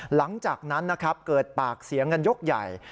หลังจากนั้นนะครับเกิดปากเสียงกันยกใหญ่